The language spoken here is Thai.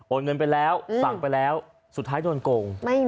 เงินไปแล้วสั่งไปแล้วสุดท้ายโดนโกง